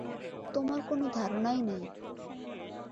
তোমার কোনো ধারণাই নেই।